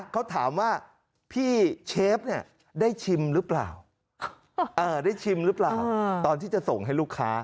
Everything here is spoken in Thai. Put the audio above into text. เขาถามว่าพี่เชฟได้ชิมหรือเปล่าได้ชิมหรือเปล่าตอนที่จะส่งให้ลูกค้า